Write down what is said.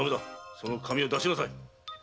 その紙を出しなさい。